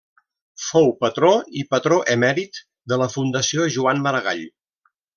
Fou patró i patró emèrit de la Fundació Joan Maragall.